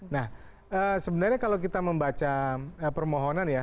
nah sebenarnya kalau kita membaca permohonan ya